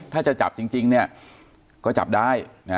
ถ้าจะจับจริงเนี่ยก็จับได้